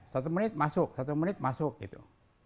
satu menit masuk satu menit masuk gitu